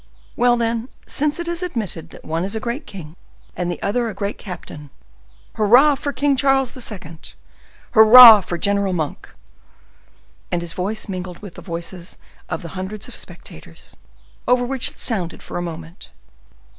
Well, then, since it is admitted that one is a great king and the other a great captain,—'Hurrah for King Charles II.!—Hurrah for General Monk!'" And his voice mingled with the voices of the hundreds of spectators, over which it sounded for a moment.